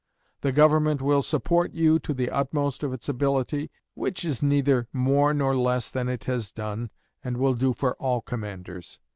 The Government will support you to the utmost of its ability, which is neither more nor less than it has done and will do for all commanders.